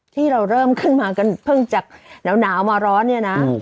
ที่เราเริ่มขึ้นมากันเพิ่งจะหนาวมาร้อนเนี่ยนะ